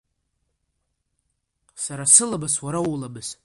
Сара сыламыс, уара уламыс…